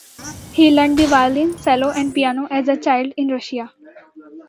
He learned the violin, cello and piano as a child in Russia.